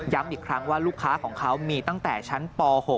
อีกครั้งว่าลูกค้าของเขามีตั้งแต่ชั้นป๖